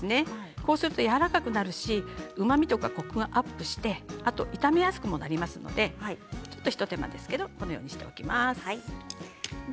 そうするとやわらかくなるしうまみやコクがアップして炒めやすくもなりますので一手間ですけどこのようにしておきます。